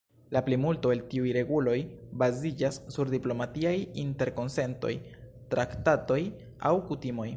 La plimulto el tiuj reguloj baziĝas sur diplomatiaj interkonsentoj, traktatoj aŭ kutimoj.